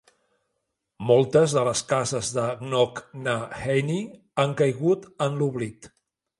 Moltes de les cases de Knocknaheeny han caigut en l'oblit.